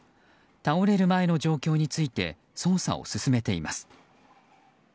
倒れる前の状況について捜査を進めています。